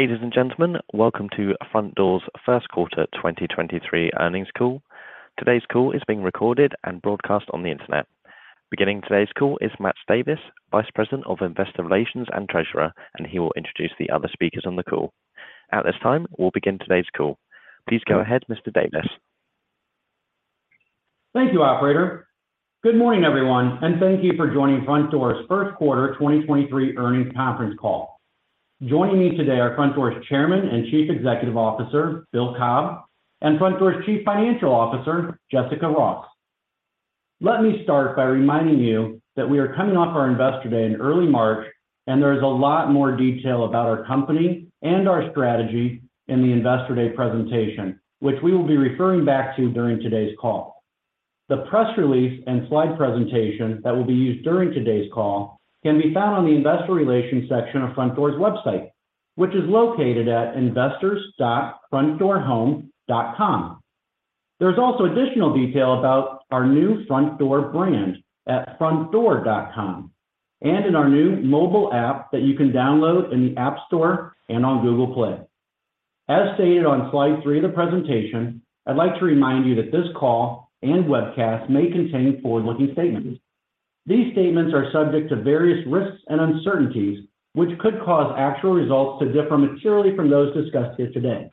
Ladies and gentlemen, welcome to Frontdoor's Q1 2023 earnings call. Today's call is being recorded and broadcast on the internet. Beginning today's call is Matt Davis, Vice President of Investor Relations and Treasurer, and he will introduce the other speakers on the call. At this time, we'll begin today's call. Please go ahead, Mr. Davis. Thank you, operator. Good morning, everyone, and thank you for joining Frontdoor's Q1 2023 earnings conference call. Joining me today are Frontdoor's Chairman and Chief Executive Officer, Bill Cobb, and Frontdoor's Chief Financial Officer, Jessica Ross. Let me start by reminding you that we are coming off our Investor Day in early March, and there is a lot more detail about our company and our strategy in the Investor Day presentation, which we will be referring back to during today's call. The press release and slide presentation that will be used during today's call can be found on the investor relations section of Frontdoor's website, which is located at investors.frontdoorhome.com. There's also additional detail about our new Frontdoor brand at frontdoor.com and in our new mobile app that you can download in the App Store and on Google Play. As stated on Slide 3 of the presentation, I'd like to remind you that this call and webcast may contain forward-looking statements. These statements are subject to various risks and uncertainties, which could cause actual results to differ materially from those discussed here today.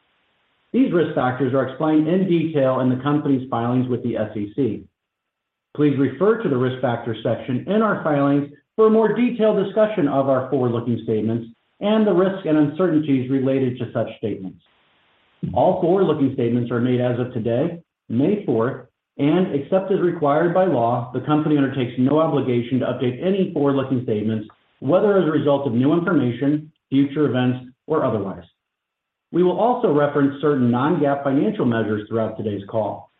These risk factors are explained in detail in the company's filings with the SEC. Please refer to the Risk Factors section in our filings for a more detailed discussion of our forward-looking statements and the risks and uncertainties related to such statements. All forward-looking statements are made as of today, May fourth. Except as required by law, the company undertakes no obligation to update any forward-looking statements, whether as a result of new information, future events, or otherwise. We will also reference certain non-GAAP financial measures throughout today's call.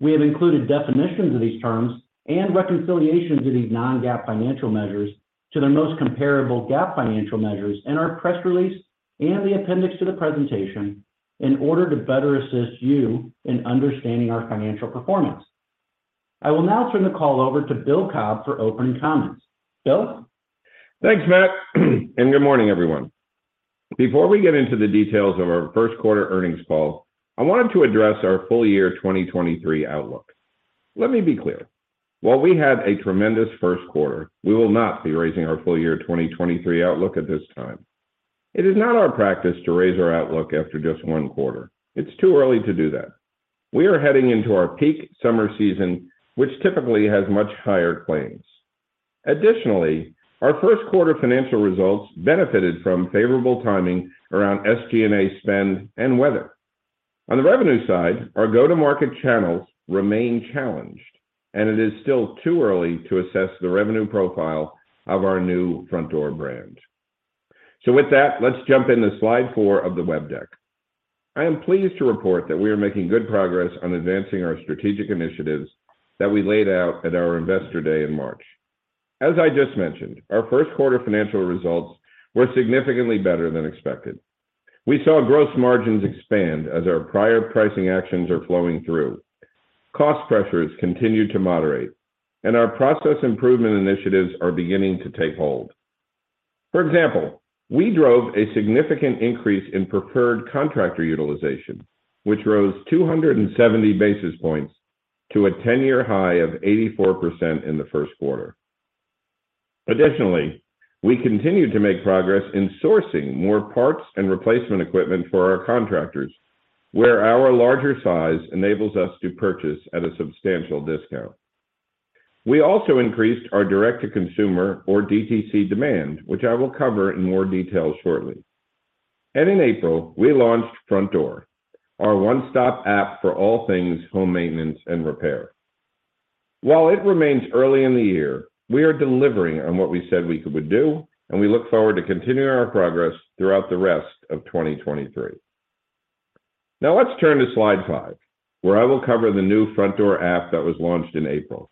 We have included definitions of these terms and reconciliation to these non-GAAP financial measures to their most comparable GAAP financial measures in our press release and the appendix to the presentation in order to better assist you in understanding our financial performance. I will now turn the call over to Bill Cobb for opening comments. Bill? Thanks, Matt. Good morning, everyone. Before we get into the details of our Q1 earnings call, I wanted to address our full year 2023 outlook. Let me be clear. While we had a tremendous Q1, we will not be raising our full year 2023 outlook at this time. It is not our practice to raise our outlook after just one quarter. It's too early to do that. We are heading into our peak summer season, which typically has much higher claims. Additionally, our Q1 financial results benefited from favorable timing around SG&A spend and weather. On the revenue side, our go-to-market channels remain challenged, and it is still too early to assess the revenue profile of our new Frontdoor brand. With that, let's jump into Slide 4 of the web deck. I am pleased to report that we are making good progress on advancing our strategic initiatives that we laid out at our Investor Day in March. As I just mentioned, our Q1 financial results were significantly better than expected. We saw gross margins expand as our prior pricing actions are flowing through. Cost pressures continued to moderate and our process improvement initiatives are beginning to take hold. For example, we drove a significant increase in preferred contractor utilization, which rose 270 basis points to a 10-year high of 84% in the Q1. Additionally, we continued to make progress in sourcing more parts and replacement equipment for our contractors, where our larger size enables us to purchase at a substantial discount. We also increased our direct-to-consumer or DTC demand, which I will cover in more detail shortly. In April, we launched Frontdoor, our one-stop app for all things home maintenance and repair. While it remains early in the year, we are delivering on what we said we would do, and we look forward to continuing our progress throughout the rest of 2023. Let's turn to Slide 5, where I will cover the new Frontdoor app that was launched in April.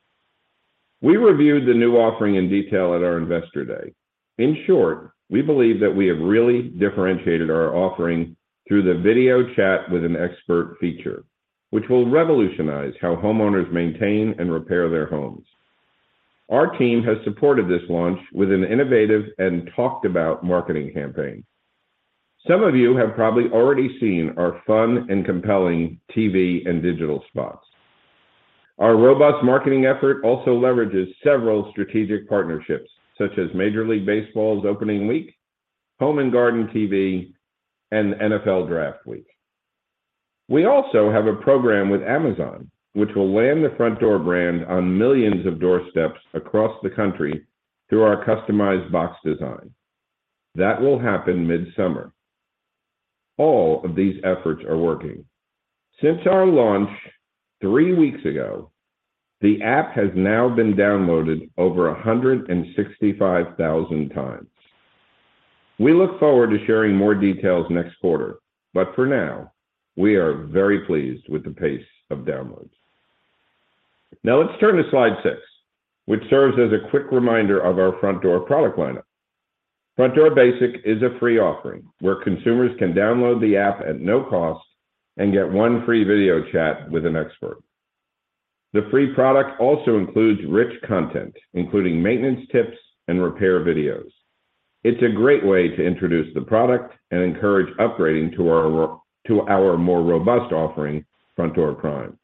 We reviewed the new offering in detail at our Investor Day. In short, we believe that we have really differentiated our offering through the video chat with an expert feature, which will revolutionize how homeowners maintain and repair their homes. Our team has supported this launch with an innovative and talked about marketing campaign. Some of you have probably already seen our fun and compelling TV and digital spots. Our robust marketing effort also leverages several strategic partnerships, such as Major League Baseball's opening week, Home and Garden TV, and the NFL Draft week. We also have a program with Amazon, which will land the Frontdoor brand on millions of doorsteps across the country through our customized box design. That will happen mid-summer. All of these efforts are working. Since our launch three weeks ago, the app has now been downloaded over 165,000 times. We look forward to sharing more details next quarter, but for now, we are very pleased with the pace of downloads. Now let's turn to Slide 6, which serves as a quick reminder of our Frontdoor product lineup. Frontdoor Basic is a free offering where consumers can download the app at no cost and get 1 free video chat with an expert. The free product also includes rich content, including maintenance tips and repair videos. It's a great way to introduce the product and encourage upgrading to our, to our more robust offering, Frontdoor Prime.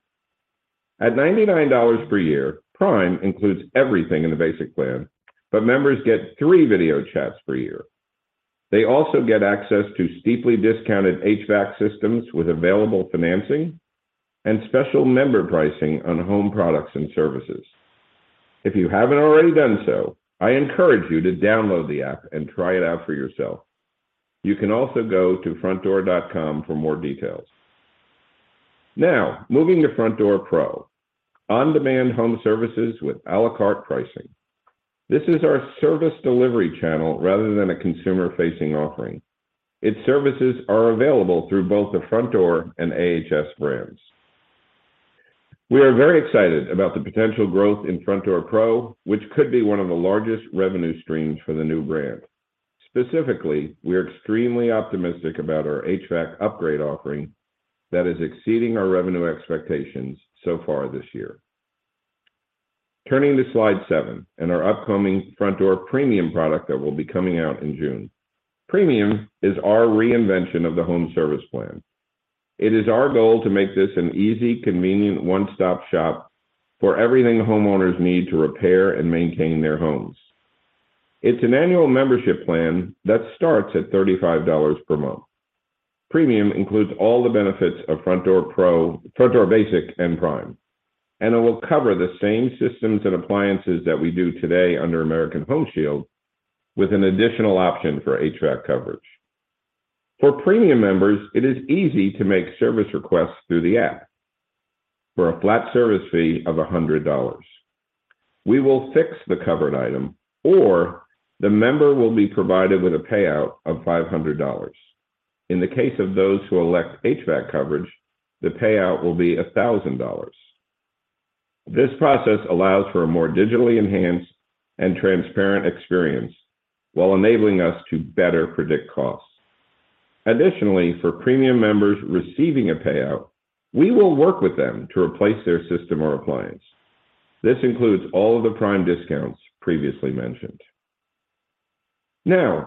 At $99 per year, Prime includes everything in the basic plan, but members get 3 video chats per year. They also get access to steeply discounted HVAC systems with available financing and special member pricing on home products and services. If you haven't already done so, I encourage you to download the app and try it out for yourself. You can also go to frontdoor.com for more details. Moving to Frontdoor Pro, on-demand home services with à la carte pricing. This is our service delivery channel rather than a consumer-facing offering. Its services are available through both the Frontdoor and AHS brands. We are very excited about the potential growth in Frontdoor Pro, which could be 1 of the largest revenue streams for the new brand. Specifically, we are extremely optimistic about our HVAC upgrade offering that is exceeding our revenue expectations so far this year. Turning to Slide 7 and our upcoming Frontdoor Premium product that will be coming out in June. Premium is our reinvention of the home service plan. It is our goal to make this an easy, convenient, 1-stop shop for everything homeowners need to repair and maintain their homes. It's an annual membership plan that starts at $35 per month. Premium includes all the benefits of Frontdoor Pro, Frontdoor Basic and Prime, and it will cover the same systems and appliances that we do today under American Home Shield with an additional option for HVAC coverage. For Premium members, it is easy to make service requests through the app for a flat service fee of $100. We will fix the covered item, or the member will be provided with a payout of $500. In the case of those who elect HVAC coverage, the payout will be $1,000. This process allows for a more digitally enhanced and transparent experience while enabling us to better predict costs. Additionally, for Premium members receiving a payout, we will work with them to replace their system or appliance. This includes all of the Prime discounts previously mentioned.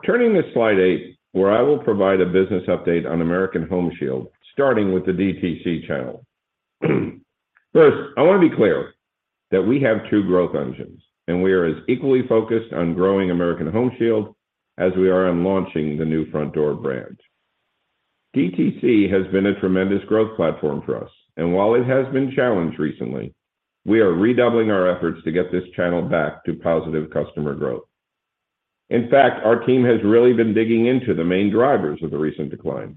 Turning to Slide 8, where I will provide a business update on American Home Shield, starting with the DTC channel. First, I want to be clear that we have 2 growth engines, and we are as equally focused on growing American Home Shield as we are on launching the new Frontdoor brand. DTC has been a tremendous growth platform for us, and while it has been challenged recently, we are redoubling our efforts to get this channel back to positive customer growth. In fact, our team has really been digging into the main drivers of the recent decline.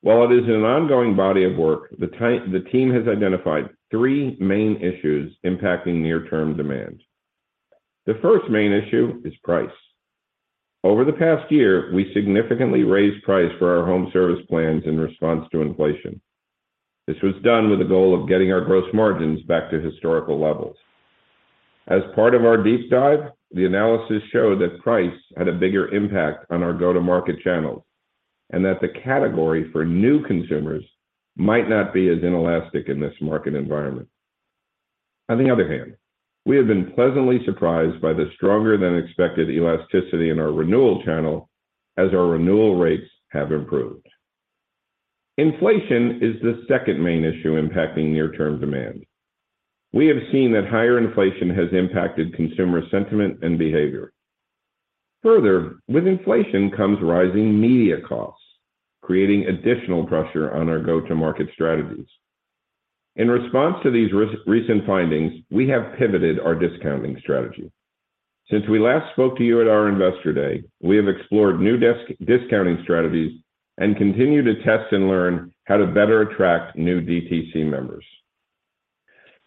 While it is an ongoing body of work, the team has identified 3 main issues impacting near-term demand. The first main issue is price. Over the past year, we significantly raised price for our home service plans in response to inflation. This was done with the goal of getting our gross margins back to historical levels. As part of our deep dive, the analysis showed that price had a bigger impact on our go-to-market channels and that the category for new consumers might not be as inelastic in this market environment. On the other hand, we have been pleasantly surprised by the stronger-than-expected elasticity in our renewal channel as our renewal rates have improved. Inflation is the second main issue impacting near-term demand. We have seen that higher inflation has impacted consumer sentiment and behavior. Further, with inflation comes rising media costs, creating additional pressure on our go-to-market strategies. In response to these recent findings, we have pivoted our discounting strategy. Since we last spoke to you at our Investor Day, we have explored new discounting strategies and continue to test and learn how to better attract new DTC members.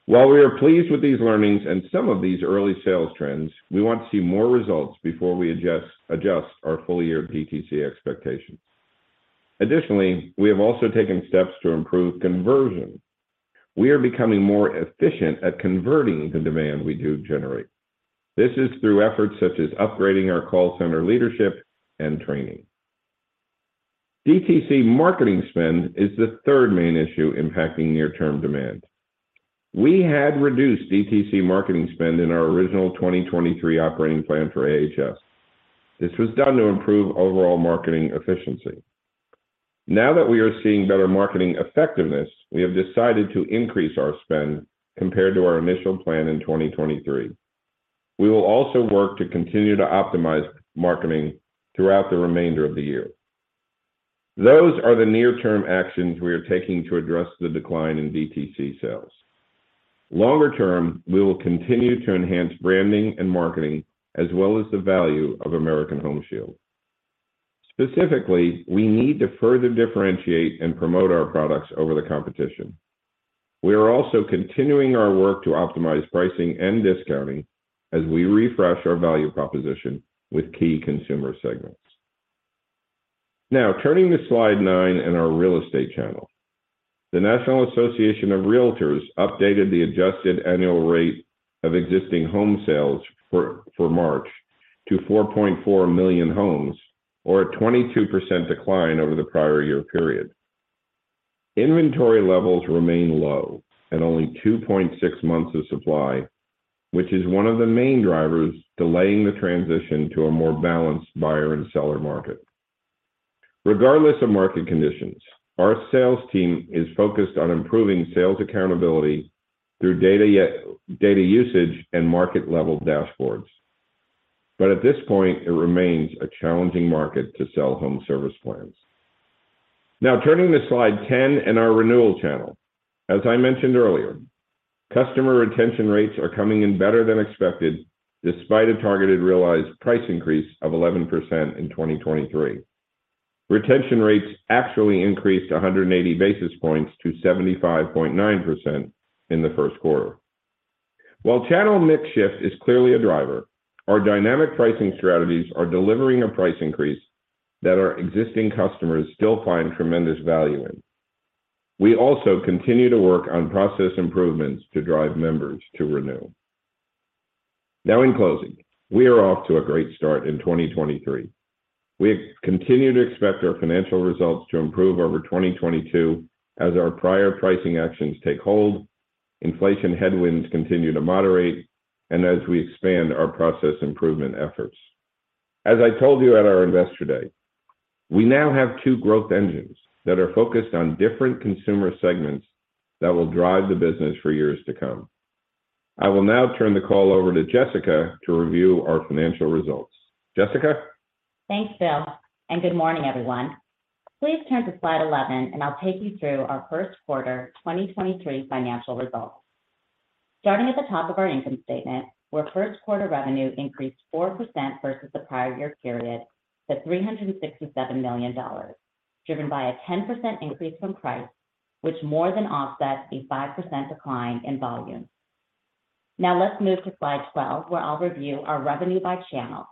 While we are pleased with these learnings and some of these early sales trends, we want to see more results before we adjust our full-year DTC expectations. We have also taken steps to improve conversion. We are becoming more efficient at converting the demand we do generate. This is through efforts such as upgrading our call center leadership and training. DTC marketing spend is the third main issue impacting near-term demand. We had reduced DTC marketing spend in our original 2023 operating plan for AHS. This was done to improve overall marketing efficiency. Now that we are seeing better marketing effectiveness, we have decided to increase our spend compared to our initial plan in 2023. We will also work to continue to optimize marketing throughout the remainder of the year. Those are the near-term actions we are taking to address the decline in DTC sales. Longer term, we will continue to enhance branding and marketing as well as the value of American Home Shield. Specifically, we need to further differentiate and promote our products over the competition. We are also continuing our work to optimize pricing and discounting as we refresh our value proposition with key consumer segments. Turning to Slide 9 and our real estate channel. The National Association of Realtors updated the adjusted annual rate of existing home sales for March to 4.4 million homes, or a 22% decline over the prior year period. Inventory levels remain low at only 2.6 months of supply, which is one of the main drivers delaying the transition to a more balanced buyer and seller market. Regardless of market conditions, our sales team is focused on improving sales accountability through data usage and market level dashboards. At this point, it remains a challenging market to sell home service plans. Turning to Slide 10 in our renewal channel. As I mentioned earlier, customer retention rates are coming in better than expected despite a targeted realized price increase of 11% in 2023. Retention rates actually increased 180 basis points to 75.9% in the Q1. While channel mix shift is clearly a driver, our dynamic pricing strategies are delivering a price increase that our existing customers still find tremendous value in. We also continue to work on process improvements to drive members to renew. In closing, we are off to a great start in 2023. We continue to expect our financial results to improve over 2022 as our prior pricing actions take hold, inflation headwinds continue to moderate, and as we expand our process improvement efforts. As I told you at our Investor Day, we now have two growth engines that are focused on different consumer segments that will drive the business for years to come. I will now turn the call over to Jessica to review our financial results. Jessica. Thanks, Bill. Good morning, everyone. Please turn to Slide 11. I'll take you through our Q1 2023 financial results. Starting at the top of our income statement, where Q1 revenue increased 4% versus the prior year period to $367 million, driven by a 10% increase from price, which more than offsets a 5% decline in volume. Let's move to Slide 12, where I'll review our revenue by channel.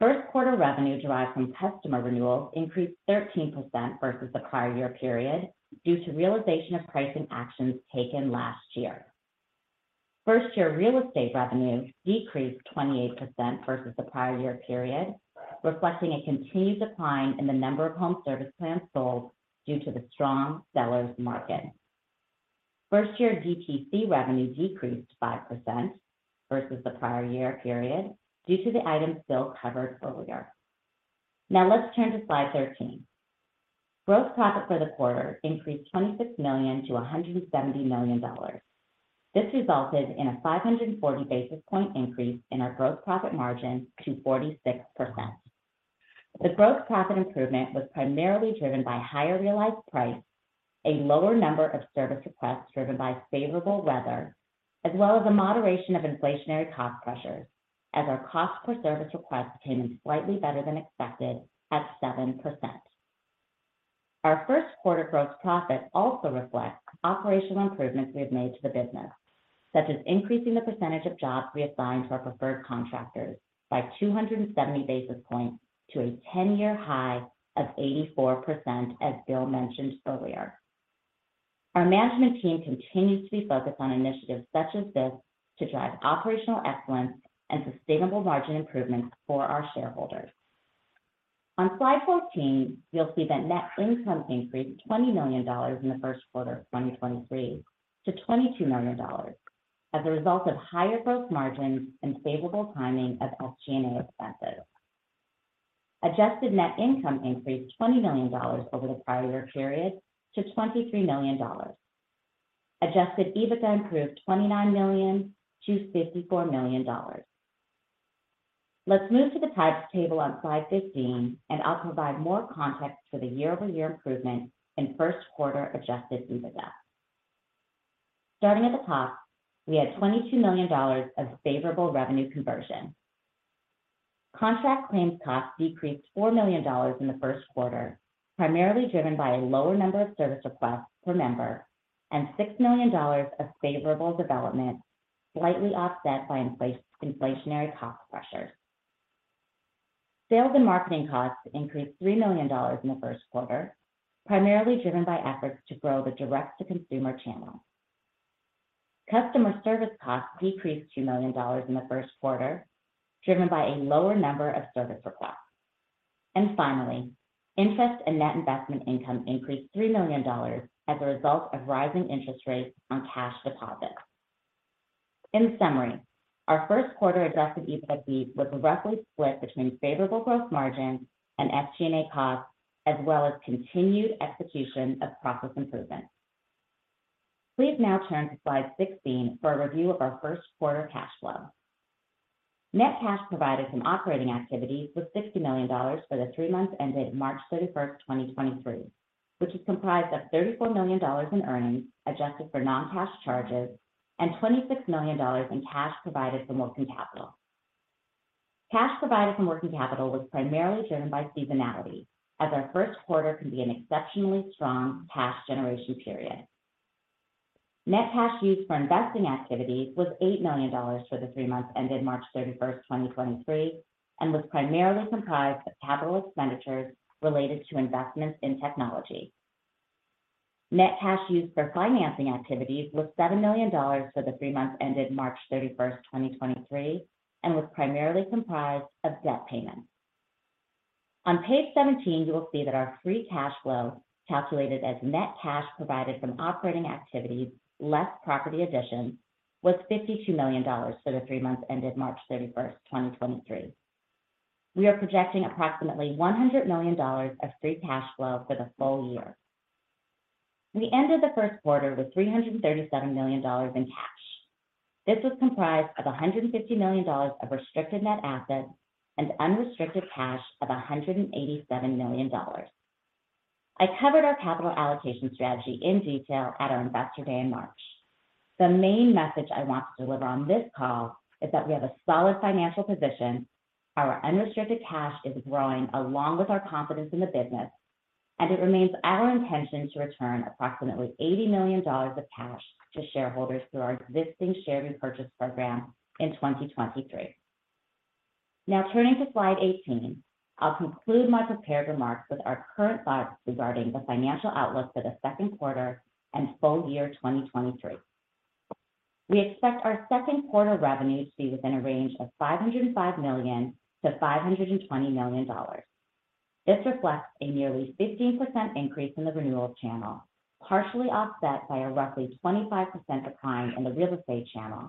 Q1 revenue derived from customer renewals increased 13% versus the prior year period due to realization of pricing actions taken last year. First year real estate revenue decreased 28% versus the prior year period, reflecting a continued decline in the number of home service plans sold due to the strong sellers market. First year DTC revenue decreased 5% versus the prior year period due to the items Bill covered earlier. Now let's turn to Slide 13. Gross profit for the quarter increased $26 million–$170 million. This resulted in a 540 basis point increase in our gross profit margin to 46%. The gross profit improvement was primarily driven by higher realized price, a lower number of service requests driven by favorable weather, as well as a moderation of inflationary cost pressures as our cost per service request came in slightly better than expected at 7%. Our Q1 gross profit also reflects operational improvements we have made to the business, such as increasing the percentage of jobs we assign to our preferred contractors by 270 basis points to a 10-year high of 84%, as Bill mentioned earlier. Our management team continues to be focused on initiatives such as this to drive operational excellence and sustainable margin improvements for our shareholders. On Slide 14, you'll see that net income increased $20 million in the Q1 of 2023 to $22 million as a result of higher gross margins and favorable timing of SG&A expenses. Adjusted net income increased $20 million over the prior year period to $23 million. Adjusted EBITDA improved $29 million–$54 million. Let's move to the types table on Slide 15, and I'll provide more context for the year-over-year improvement in Q1's Adjusted EBITDA. Starting at the top, we had $22 million of favorable revenue conversion. Contract claims costs decreased $4 million in the Q1, primarily driven by a lower number of service requests per member and $6 million of favorable development, slightly offset by inflationary cost pressures. Sales and marketing costs increased $3 million in the Q1, primarily driven by efforts to grow the direct-to-consumer channel. Customer service costs decreased $2 million in the Q1, driven by a lower number of service requests. Finally, interest and net investment income increased $3 million as a result of rising interest rates on cash deposits. In summary, our Q1 Adjusted EBIT was roughly split between favorable gross margins and SG&A costs, as well as continued execution of process improvements. Please now turn to Slide 16 for a review of our Q1 cash flow. Net cash provided from operating activities was $60 million for the three months ended March 31st, 2023, which is comprised of $34 million in earnings adjusted for non-cash charges and $26 million in cash provided from working capital. Cash provided from working capital was primarily driven by seasonality, as our Q1 can be an exceptionally strong cash generation period. Net cash used for investing activities was $8 million for the three months ended March 31st, 2023, and was primarily comprised of capital expenditures related to investments in technology. Net cash used for financing activities was $7 million for the three months ended March 31st, 2023, and was primarily comprised of debt payments. On page 17, you will see that our free cash flow, calculated as net cash provided from operating activities less property additions, was $52 million for the 3 months ended March 31st, 2023. We are projecting approximately $100 million of free cash flow for the full year. We ended the Q1 with $337 million in cash. This was comprised of $150 million of restricted net assets and unrestricted cash of $187 million. I covered our capital allocation strategy in detail at our Investor Day in March. The main message I want to deliver on this call is that we have a solid financial position, our unrestricted cash is growing along with our confidence in the business, and it remains our intention to return approximately $80 million of cash to shareholders through our existing share repurchase program in 2023. Now turning to Slide 18, I'll conclude my prepared remarks with our current thoughts regarding the financial outlook for the Q2 and full year 2023. We expect our Q2 revenue to be within a range of $505 million–$520 million. This reflects a nearly 15% increase in the renewal channel, partially offset by a roughly 25% decline in the real estate channel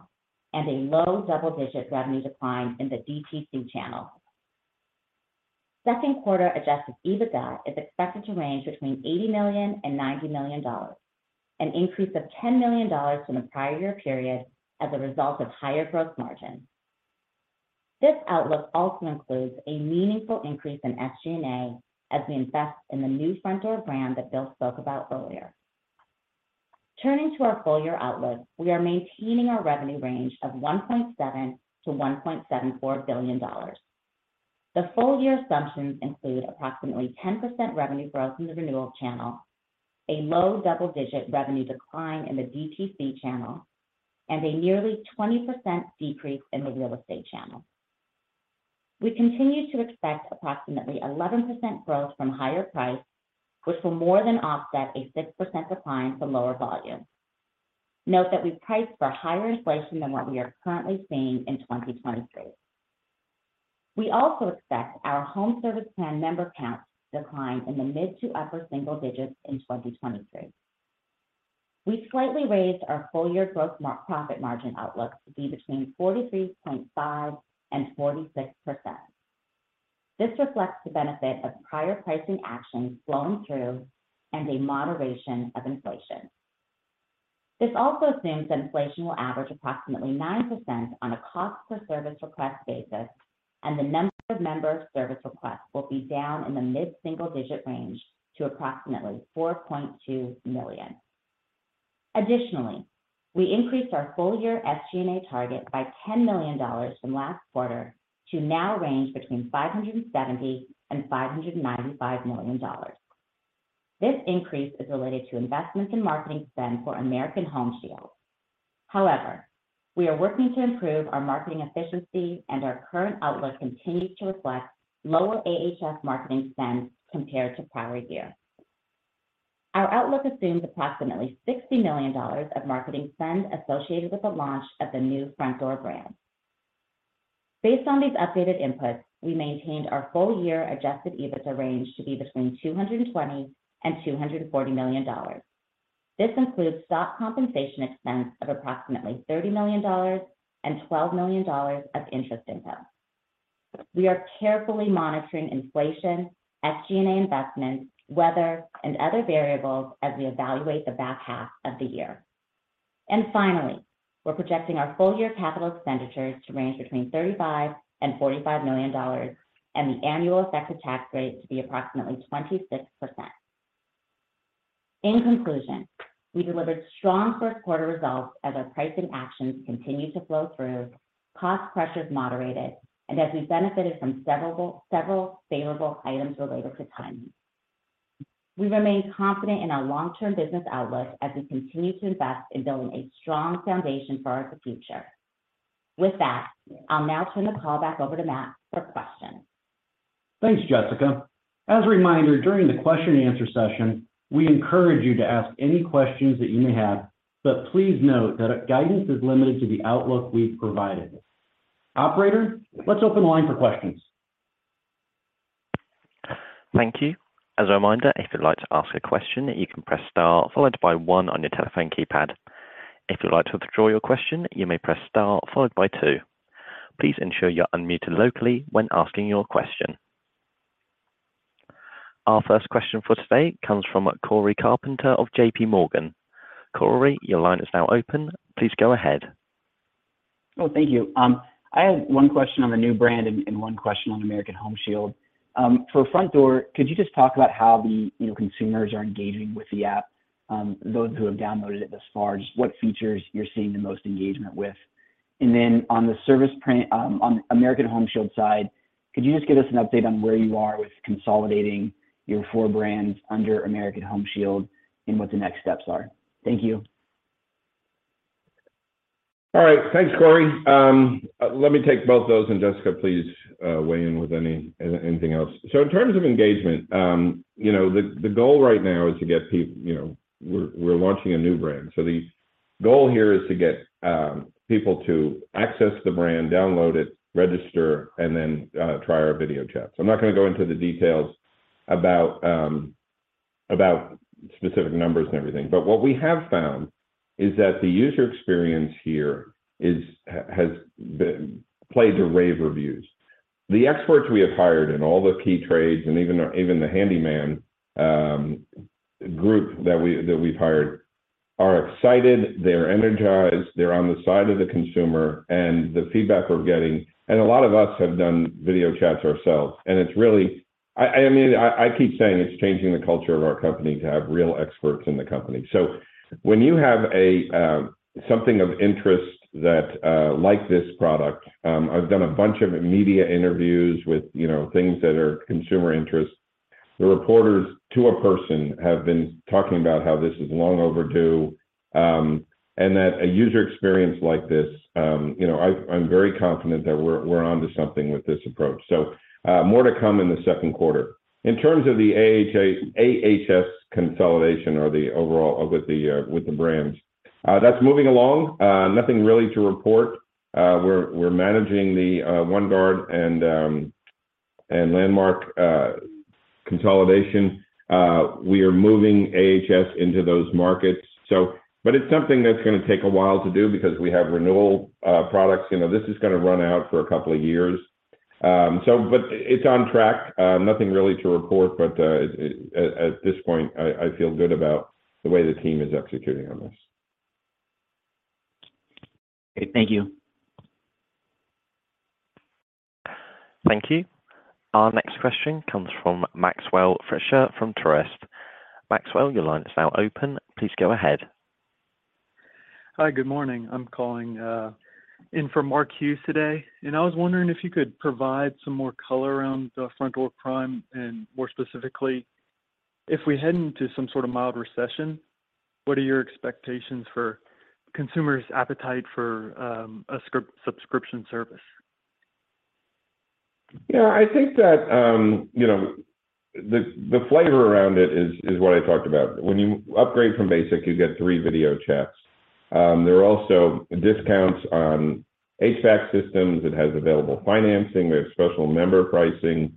and a low double-digit revenue decline in the DTC channel. Q2 Adjusted EBITDA is expected to range between $80 million and $90 million, an increase of $10 million from the prior year period as a result of higher gross margin. This outlook also includes a meaningful increase in SG&A as we invest in the new Frontdoor brand that Bill spoke about earlier. Turning to our full-year outlook, we are maintaining our revenue range of $1.7 billion–$1.74 billion. The full year assumptions include approximately 10% revenue growth in the renewal channel, a low double-digit revenue decline in the DTC channel, and a nearly 20% decrease in the real estate channel. We continue to expect approximately 11% growth from higher price, which will more than offset a 6% decline from lower volume. Note that we've priced for higher inflation than what we are currently seeing in 2023. We also expect our Home Service Plan member count to decline in the mid to upper single digits in 2023. We've slightly raised our full year growth profit margin outlook to be between 43.5% and 46%. This reflects the benefit of prior pricing actions flowing through and a moderation of inflation. This also assumes inflation will average approximately 9% on a cost per service request basis, and the number of member service requests will be down in the mid-single-digit range to approximately 4.2 million. Additionally, we increased our full year SG&A target by $10 million from last quarter to now range between $570 million and $595 million. This increase is related to investments in marketing spend for American Home Shield. However, we are working to improve our marketing efficiency, and our current outlook continues to reflect lower AHS marketing spend compared to prior year. Our outlook assumes approximately $60 million of marketing spend associated with the launch of the new Frontdoor brand. Based on these updated inputs, we maintained our full year Adjusted EBITDA range to be between $220 million and $240 million. This includes stock compensation expense of approximately $30 million and $12 million of interest income. We are carefully monitoring inflation, SG&A investments, weather, and other variables as we evaluate the back half of the year. Finally, we're projecting our full year capital expenditures to range between $35 million and $45 million, and the annual effective tax rate to be approximately 26%. In conclusion, we delivered strong Q1 results as our pricing actions continued to flow through, cost pressures moderated, and as we benefited from several favorable items related to timing. We remain confident in our long-term business outlook as we continue to invest in building a strong foundation for our future. With that, I'll now turn the call back over to Matt for questions. Thanks, Jessica. As a reminder, during the question answer session, we encourage you to ask any questions that you may have, please note that our guidance is limited to the outlook we've provided. Operator, let's open the line for questions. Thank you. As a reminder, if you'd like to ask a question, you can press star followed by 1 on your telephone keypad. If you'd like to withdraw your question, you may press star followed by 2. Please ensure you're unmuted locally when asking your question. Our first question for today comes from Cory Carpenter of J.P. Morgan. Corey, your line is now open. Please go ahead. Thank you. I have one question on the new brand and one question on American Home Shield. For Frontdoor, could you just talk about how the, you know, consumers are engaging with the app, those who have downloaded it thus far, just what features you're seeing the most engagement with? Then on the service plan on American Home Shield side, could you just give us an update on where you are with consolidating your four brands under American Home Shield and what the next steps are? Thank you. All right. Thanks, Cory. Let me take both those, and Jessica, please, weigh in with anything else. In terms of engagement, you know, the goal right now is to get people. You know, we're launching a new brand, so the goal here is to get people to access the brand, download it, register, and then try our video chats. I'm not gonna go into the details about specific numbers and everything, but what we have found is that the user experience here has been played to rave reviews. The experts we have hired in all the key trades and even the handyman group that we've hired are excited, they're energized, they're on the side of the consumer, and the feedback we're getting. A lot of us have done video chats ourselves, and I mean, I keep saying it's changing the culture of our company to have real experts in the company. When you have something of interest that like this product, I've done a bunch of media interviews with, you know, things that are consumer interests. The reporters, to a person, have been talking about how this is long overdue, and that a user experience like this, you know, I'm very confident that we're onto something with this approach, so more to come in the Q2. In terms of the AHS consolidation or with the brands, that's moving along. Nothing really to report. We're managing the OneGuard and Landmark consolidation. into those markets. But it's something that's going to take a while to do because we have renewal products. You know, this is going to run out for a couple of years. But it's on track. Nothing really to report, but at this point, I feel good about the way the team is executing on this Okay. Thank you. Thank you. Our next question comes from Maxwell Schachter from Truist. Maxwell, your line is now open. Please go ahead. Hi. Good morning. I'm calling in for Mark Hughes today. I was wondering if you could provide some more color around the Frontdoor Prime and more specifically, if we head into some sort of mild recession, what are your expectations for consumers' appetite for a script-subscription service? Yeah. I think that, you know, the flavor around it is what I talked about. When you upgrade from Frontdoor Basic, you get 3 video chats. There are also discounts on HVAC systems. It has available financing. There's special member pricing,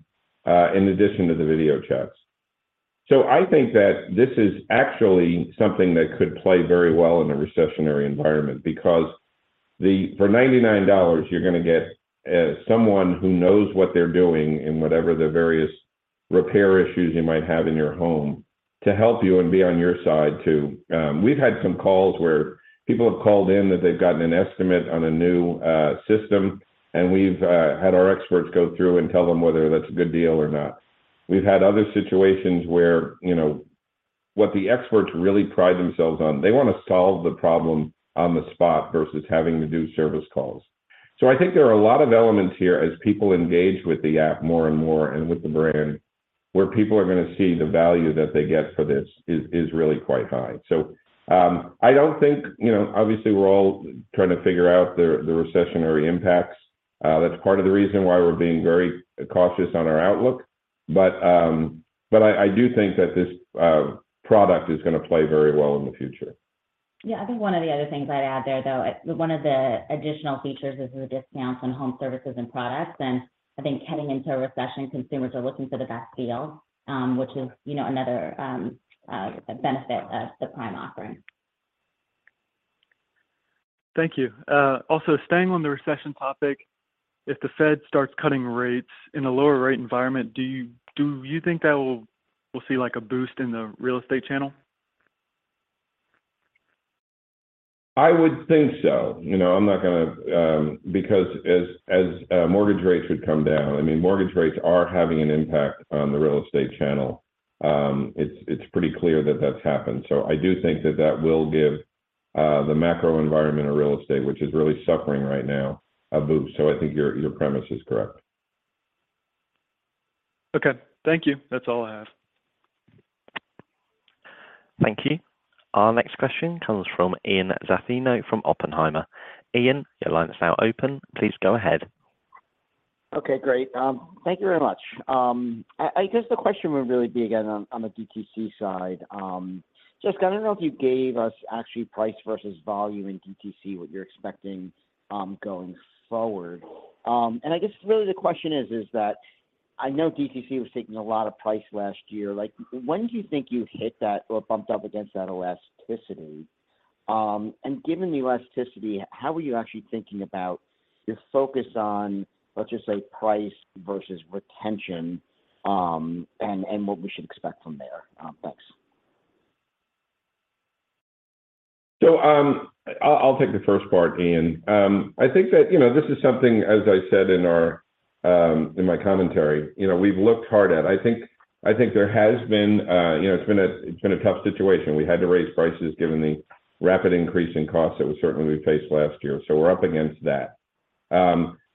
in addition to the video chats. I think that this is actually something that could play very well in a recessionary environment because for $99, you're gonna get someone who knows what they're doing in whatever the various repair issues you might have in your home to help you and be on your side too. We've had some calls where people have called in that they've gotten an estimate on a new system, and we've had our experts go through and tell them whether that's a good deal or not. We've had other situations where, you know, what the experts really pride themselves on, they wanna solve the problem on the spot versus having to do service calls. I think there are a lot of elements here as people engage with the app more and more and with the brand, where people are gonna see the value that they get for this is really quite high. I don't think. You know, obviously we're all trying to figure out the recessionary impacts. That's part of the reason why we're being very cautious on our outlook. I do think that this, product is gonna play very well in the future. Yeah. I think one of the other things I'd add there, though, one of the additional features is the discounts on home services and products. I think heading into a recession, consumers are looking for the best deal, which is, you know, another benefit of the Prime offering. Thank you. Also staying on the recession topic, if the Fed starts cutting rates in a lower rate environment, do you think that we'll see like a boost in the real estate channel? I would think so. You know, I'm not gonna. As mortgage rates would come down, I mean, mortgage rates are having an impact on the real estate channel. It's pretty clear that that's happened. I do think that that will give the macro environment of real estate, which is really suffering right now, a boost. I think your premise is correct. Okay. Thank you. That's all I have. Thank you. Our next question comes from Ian Zaffino from Oppenheimer. Ian, your line is now open. Please go ahead. Okay, great. Thank you very much. I guess the question would really be again on the DTC side. Jessica, I don't know if you gave us actually price versus volume in DTC, what you're expecting, going forward. I guess really the question is that I know DTC was taking a lot of price last year. Like, when do you think you hit that or bumped up against that elasticity? Given the elasticity, how are you actually thinking about your focus on, let's just say, price versus retention, and what we should expect from there? Thanks. I'll take the first part, Ian. I think that, you know, this is something, as I said in our, in my commentary, you know, we've looked hard at. I think there has been, you know, it's been a tough situation. We had to raise prices given the rapid increase in costs that we certainly faced last year, so we're up against that.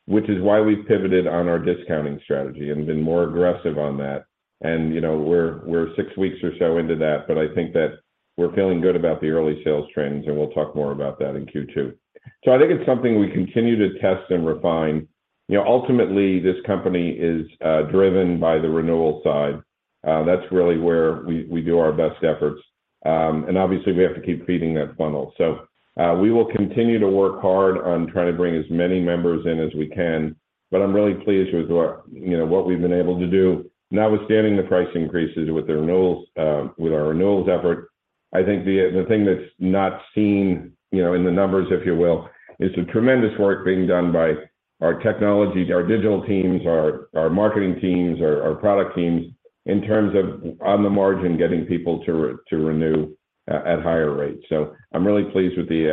Which is why we've pivoted on our discounting strategy and been more aggressive on that. You know, we're 6 weeks or so into that, but I think that we're feeling good about the early sales trends, and we'll talk more about that in Q2. I think it's something we continue to test and refine. You know, ultimately this company is driven by the renewal side. That's really where we do our best efforts. Obviously we have to keep feeding that funnel. We will continue to work hard on trying to bring as many members in as we can, but I'm really pleased with what, you know, what we've been able to do notwithstanding the price increases with the renewals, with our renewals effort. I think the thing that's not seen, you know, in the numbers if you will, is the tremendous work being done by our technology, our digital teams, our marketing teams, our product teams in terms of on the margin getting people to renew at higher rates. I'm really pleased with the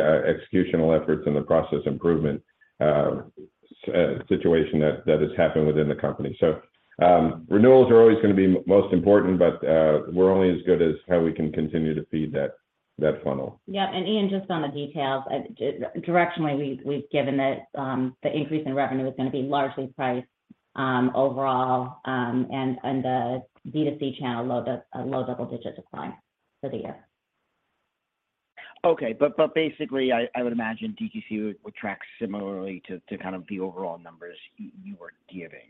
executional efforts and the process improvement situation that has happened within the company. Renewals are always gonna be most important, but we're only as good as how we can continue to feed that funnel. Yeah. Ian, just on the details, directionally, we've given that, the increase in revenue is gonna be largely priced, overall, and the B2C channel low double-digit decline for the year. Okay. Basically I would imagine DTC would track similarly to kind of the overall numbers you were giving.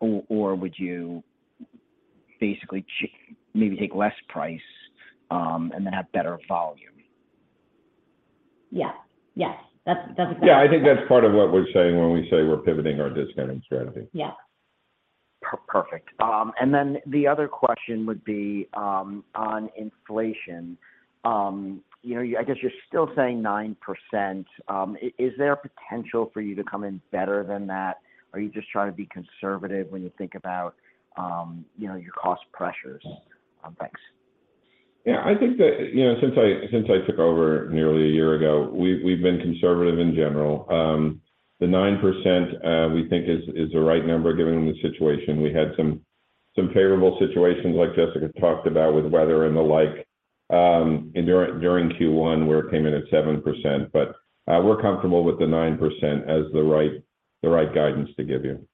Would you basically maybe take less price, and then have better volume? Yeah. Yes, that's. Yeah, I think that's part of what we're saying when we say we're pivoting our discounting strategy. Yeah. Perfect. The other question would be, on inflation. You know, I guess you're still saying 9%. Is there potential for you to come in better than that? Are you just trying to be conservative when you think about, you know, your cost pressures? Thanks. Yeah. I think that, you know, since I took over nearly a year ago, we've been conservative in general. The 9%, we think is the right number given the situation. We had some favorable situations like Jessica talked about with weather and the like, during Q1 where it came in at 7%. We're comfortable with the 9% as the right guidance to give you.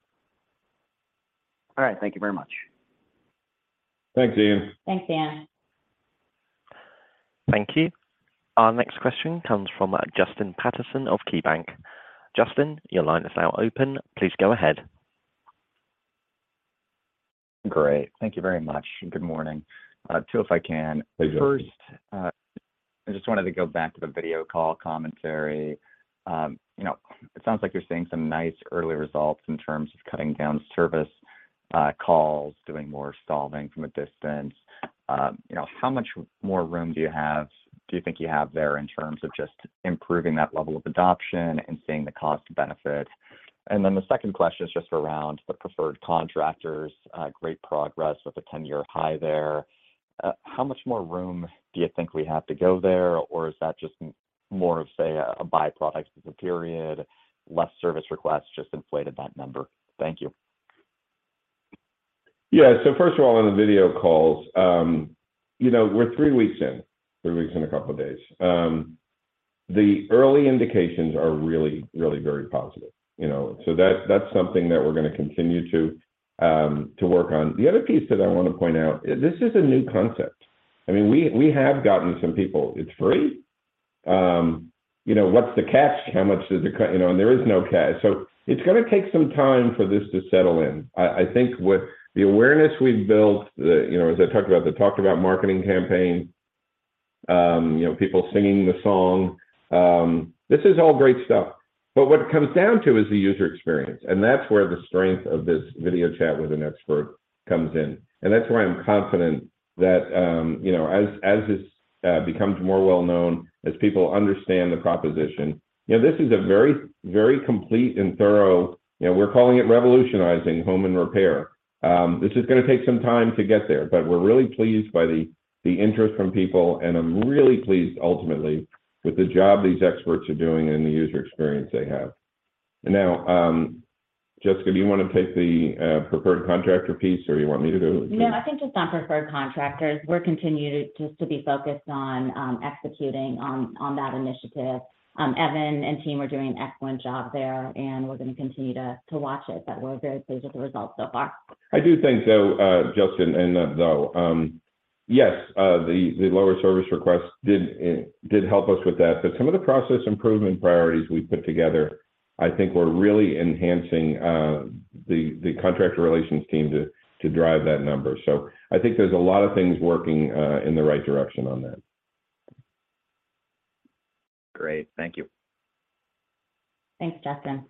All right. Thank you very much. Thanks, Ian. Thanks, Ian. Thank you. Our next question comes from Justin Patterson of KeyBanc. Justin, your line is now open. Please go ahead. Great. Thank you very much. Good morning. 2 if I can. Please do. First, I just wanted to go back to the video call commentary. You know, it sounds like you're seeing some nice early results in terms of cutting down service calls, doing more solving from a distance. You know, how much more room do you think you have there in terms of just improving that level of adoption and seeing the cost benefit? The second question is just around the preferred contractors, great progress with a 10-year high there. How much more room do you think we have to go there, or is that just more of, say, a byproduct of the period, less service requests just inflated that number? Thank you. Yeah. First of all on the video calls, you know, we're three weeks in, three weeks and a couple of days. The early indications are really, really very positive, you know? That's something that we're gonna continue to work on. The other piece that I wanna point out, this is a new concept. I mean, we have gotten some people, "It's free? You know, what's the catch? How much does it?" You know, and there is no catch. It's gonna take some time for this to settle in. I think what the awareness we've built, the, you know, as I talked about the marketing campaign, you know, people singing the song, this is all great stuff, but what it comes down to is the user experience, and that's where the strength of this video chat with an expert comes in. That's why I'm confident that, you know, as this becomes more well known, as people understand the proposition, you know, this is a very, very complete and thorough, you know, we're calling it revolutionizing home and repair. This is gonna take some time to get there, but we're really pleased by the interest from people, and I'm really pleased ultimately with the job these experts are doing and the user experience they have. Now, Jessica, do you wanna take the preferred contractor piece or you want me to go with it? No, I think just on preferred contractors, we're continued just to be focused on executing on that initiative. Evan and team are doing an excellent job there, and we're gonna continue to watch it, but we're very pleased with the results so far. I do think though, Justin and, though, yes, the lower service requests did help us with that, but some of the process improvement priorities we've put together I think were really enhancing, the contractor relations team to drive that number. I think there's a lot of things working, in the right direction on that. Great. Thank you. Thanks, Justin.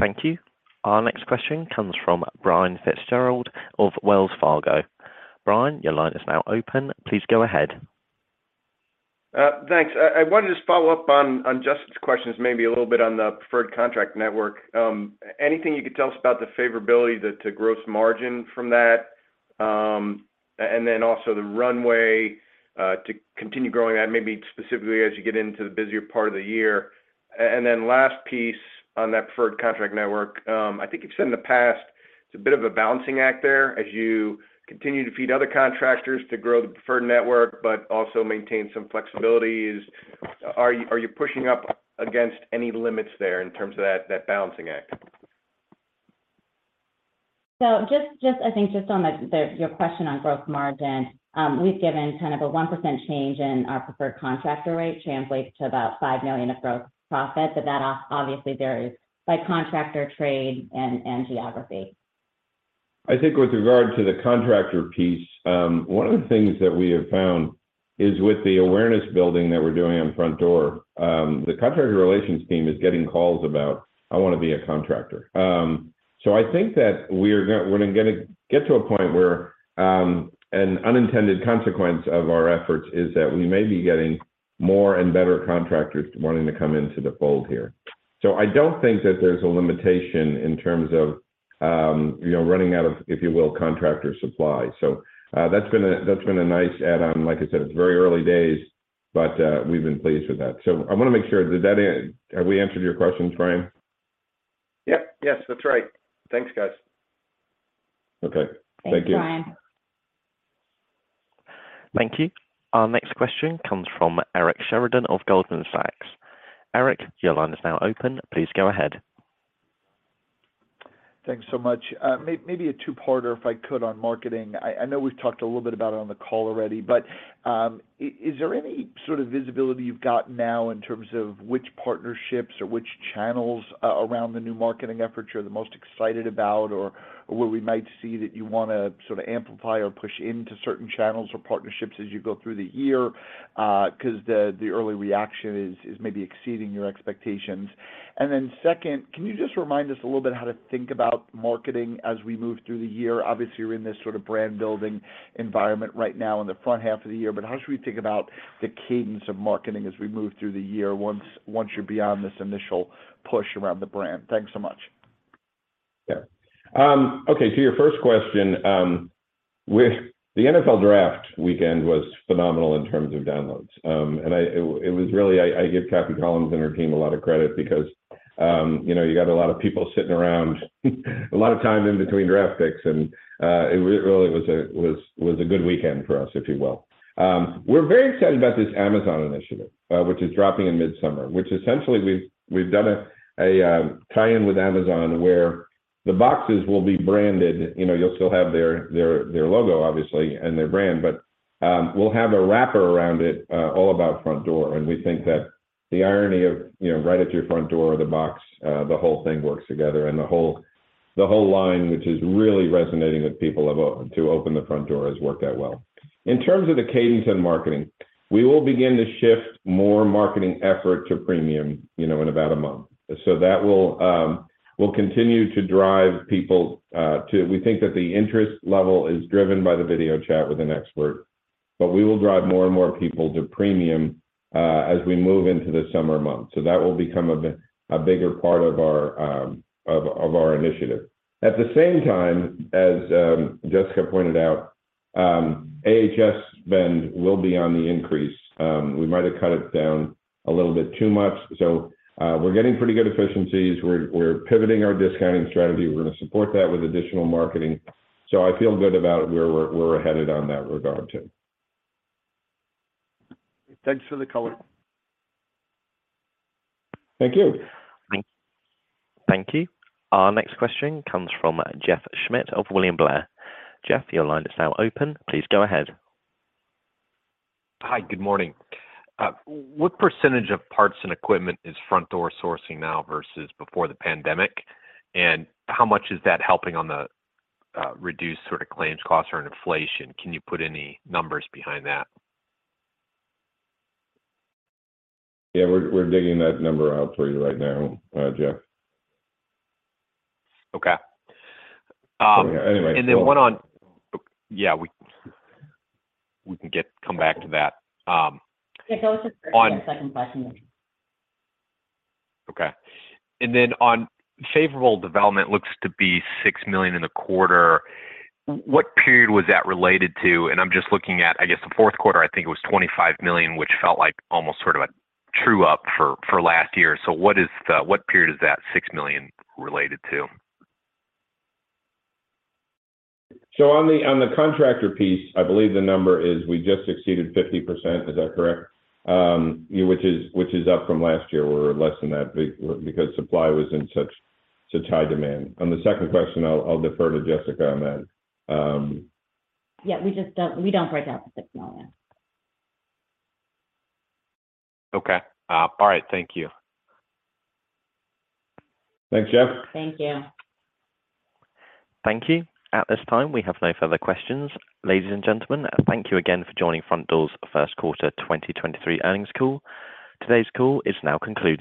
Thank you. Our next question comes from Brian Fitzgerald of Wells Fargo. Brian, your line is now open. Please go ahead. Thanks. I wanted to just follow up on Justin's questions maybe a little bit on the preferred contract network. Anything you could tell us about the favorability to gross margin from that, and then also the runway to continue growing that maybe specifically as you get into the busier part of the year? Then last piece on that preferred contract network, I think you've said in the past. It's a bit of a balancing act there as you continue to feed other contractors to grow the preferred network, but also maintain some flexibility. Are you pushing up against any limits there in terms of that balancing act? Just I think just on the your question on gross margin, we've given kind of a 1% change in our preferred contractor rate translates to about $5 million of gross profit. That obviously varies by contractor trade and geography. I think with regard to the contractor piece, one of the things that we have found is with the awareness building that we're doing on Frontdoor, the contractor relations team is getting calls about, "I wanna be a contractor." I think that we're gonna get to a point where, an unintended consequence of our efforts is that we may be getting more and better contractors wanting to come into the fold here. I don't think that there's a limitation in terms of, you know, running out of, if you will, contractor supply. That's been a nice add on. Like I said, it's very early days, but, we've been pleased with that. I wanna make sure, did that. Have we answered your question, Brian? Yep. Yes, that's right. Thanks, guys. Okay. Thank you. Thanks, Brian. Thank you. Our next question comes from Eric Sheridan of Goldman Sachs. Eric, your line is now open. Please go ahead. Thanks so much. Maybe a two-parter, if I could, on marketing. I know we've talked a little bit about it on the call already, but is there any sort of visibility you've got now in terms of which partnerships or which channels around the new marketing efforts you're the most excited about, or where we might see that you wanna sort of amplify or push into certain channels or partnerships as you go through the year? 'Cause the early reaction is maybe exceeding your expectations. Second, can you just remind us a little bit how to think about marketing as we move through the year? Obviously, you're in this sort of brand-building environment right now in the front half of the year. How should we think about the cadence of marketing as we move through the year once you're beyond this initial push around the brand? Thanks so much. Yeah. Okay, to your first question, with the NFL Draft weekend was phenomenal in terms of downloads. I give Kathy Collins and her team a lot of credit because, you know, you got a lot of people sitting around a lot of time in between draft picks, and it really was a good weekend for us, if you will. We're very excited about this Amazon initiative, which is dropping in midsummer, which essentially we've done a tie-in with Amazon where the boxes will be branded. You know, you'll still have their logo, obviously, and their brand, but we'll have a wrapper around it, all about Frontdoor, and we think that the irony of, you know, right at your front door, the box, the whole thing works together and the whole line, which is really resonating with people to open the front door has worked out well. In terms of the cadence in marketing, we will begin to shift more marketing effort to Premium, you know, in about a month. That will continue to drive people. We think that the interest level is driven by the video chat with an expert, but we will drive more and more people to Premium as we move into the summer months. That will become a bigger part of our initiative. At the same time, as Jessica pointed out, AHS spend will be on the increase. We might have cut it down a little bit too much, we're getting pretty good efficiencies. We're pivoting our discounting strategy. We're gonna support that with additional marketing. I feel good about where we're headed on that regard too. Thanks for the color. Thank you. Thank you. Our next question comes from Jeff Schmitt of William Blair. Jeff, your line is now open. Please go ahead. Hi, good morning. What % of parts and equipment is Frontdoor sourcing now versus before the pandemic? How much is that helping on the reduced sort of claims costs or inflation? Can you put any numbers behind that? Yeah. We're digging that number out for you right now, Jeff. Okay. Yeah, anyway. One on. Yeah. We can come back to that. Yeah, go to the second question. Okay. On favorable development looks to be $6 million in the quarter. What period was that related to? I'm just looking at, I guess, the Q4, I think it was $25 million, which felt like almost sort of a true up for last year. What period is that $6 million related to? On the, on the contractor piece, I believe the number is we just exceeded 50%. Is that correct? Which is up from last year were less than that because supply was in such high demand. The second question, I'll defer to Jessica on that. Yeah, we don't break out the $6 million. All right. Thank you. Thanks, Jeff. Thank you. Thank you. At this time, we have no further questions. Ladies and gentlemen, thank you again for joining Frontdoor's Q1 2023 earnings call. Today's call is now concluded.